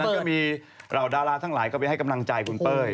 แค่นั้นก็มีเหล่าดาราทั้งหลายเข้าไปให้กำลังใจคุณเเป่ย